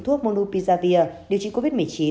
thuốc bonupiravir điều trị covid một mươi chín